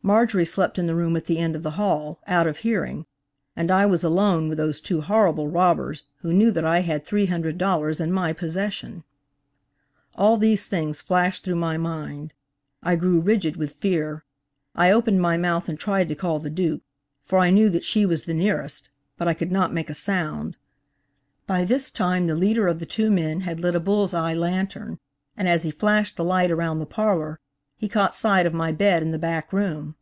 Marjorie slept in the room at the end of the hall, out of hearing, and I was alone with those two horrible robbers who knew that I had three hundred dollars in my possession! All these things flashed through my mind; I grew rigid with fear. I opened my mouth and tried to call the Duke, for I knew that she was the nearest, but I could not make a sound. By this time the leader of the two men had lit a bull's eye lantern, and as he flashed the light around the parlor, he caught sight of my bed in the back room.